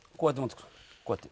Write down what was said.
こうやって。